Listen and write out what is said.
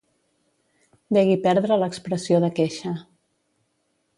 Degui perdre l'expressió de queixa.